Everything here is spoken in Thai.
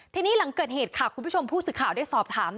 ทีนี้หลังเกิดเหตุค่ะคุณผู้ชมผู้สื่อข่าวได้สอบถาม